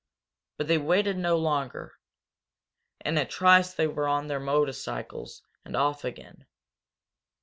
But they waited no longer. In a trice they were on their motorcycles and off again.